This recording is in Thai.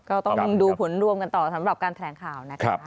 ก็ต้องดูผลรวมกันต่อสำหรับการแถลงข่าวนะคะ